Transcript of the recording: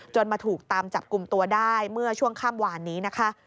มาถูกตามจับกลุ่มตัวได้เมื่อช่วงข้ามวานนี้นะคะ